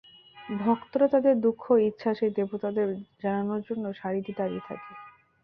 ভক্তরা তাদের দুঃখ ও ইচ্ছা সেই দেবতাদের জানানোর জন্য সারি দিয়ে দাঁড়িয়ে থাকে।